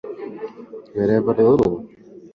Guevara alikuwa mmoja wa viongozi wa serikali mpya ya Cuba